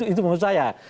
itu menurut saya